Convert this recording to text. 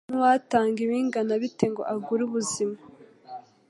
N’uwatanga ibingana bite ngo agure ubuzima